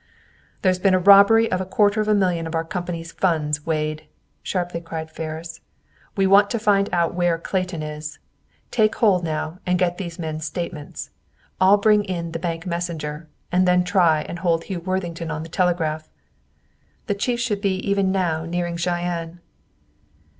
"There's been a robbery of a quarter of a million of our company's funds, Wade," sharply cried Ferris. "We want to find out where Clayton is. Take hold now and get these men's statements. I'll bring in the bank messenger, and then try and hold Hugh Worthington on the telegraph. The Chief should be even now nearing Cheyenne."